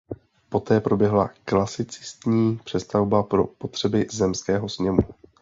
Poté proběhla klasicistní přestavba pro potřeby Zemského sněmu.